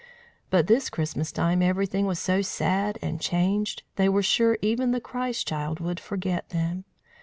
But this Christmas time everything was so sad and changed, they were sure even the Christ child would forget them.